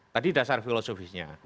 tadi dasar filosofisnya